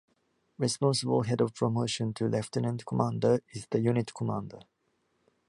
Responsible head of promotion to lieutenant commander is the unit commander.